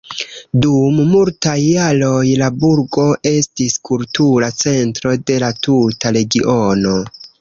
Dum multaj jaroj la burgo estis kultura centro de la tuta regiono.